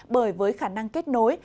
bởi với khả năng kết nối